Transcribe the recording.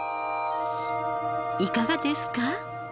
いかがですか？